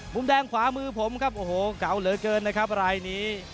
มุมแดงขวามือผมครับโอ้โหเก่าเหลือเกินนะครับรายนี้